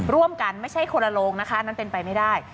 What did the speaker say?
ร่วมกันไม่ใช่คนละลงนะคะนั้นเป็นไปไม่ได้